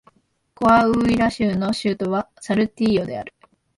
コアウイラ州の州都はサルティーヨである